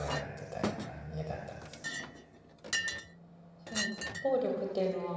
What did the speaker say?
その暴力っていうのは。